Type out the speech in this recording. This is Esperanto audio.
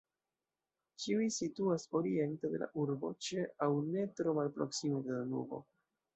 Ĉiuj situas oriente de la urbo, ĉe aŭ ne tro malproksime de Danubo.